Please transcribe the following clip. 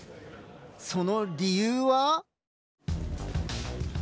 その理由は。